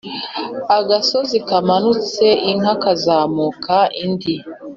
Agasozi kamanutse inka kazamuka indi.